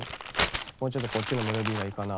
もうちょっとこっちのメロディーがいいかなあ。